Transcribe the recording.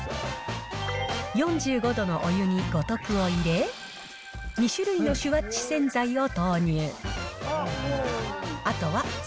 ４５度のお湯に五徳を入れ、２種類のシュワッチ洗剤を投入。